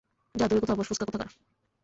যা, দূরে কোথাও বস, ফোস্কা কোথাকার।